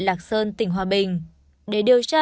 lạc sơn tỉnh hòa bình để điều tra